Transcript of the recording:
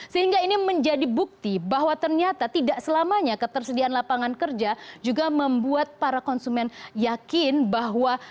sehingga ini menjadi bukti bahwa ternyata tidak selamanya ketersediaan lapangan kerja juga membuat para konsumen yakin bahwa